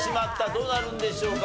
どうなるんでしょうか？